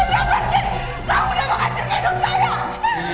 kamu sudah menghancurkan hidup saya